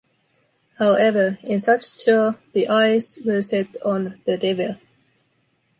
However, in such tour, the eyes were set on “The Devil”.